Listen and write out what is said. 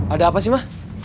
ada apa sih ma